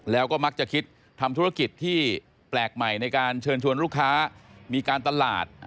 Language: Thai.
แล้วก็มักจะคิดทำธุรกิจที่แปลกใหม่ในการเชิญชวนลูกค้ามีการตลาด